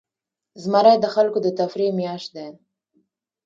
زمری د خلکو د تفریح میاشت ده.